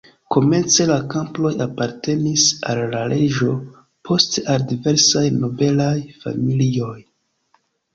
Komence la kampoj apartenis al la reĝo, poste al diversaj nobelaj familioj.